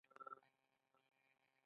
موږ نه پوهېږو چې زر کاله وروسته به څه وي.